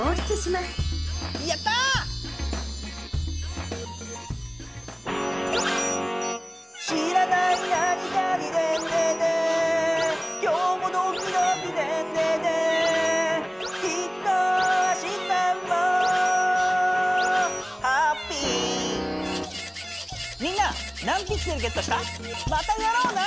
またやろうな！